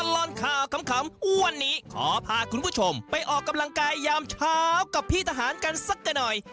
ตลอดข่าวขำวันนี้ขอพาคุณผู้ชมไปออกกำลังกายยามเช้ากับพี่ทหารกันสักกันหน่อย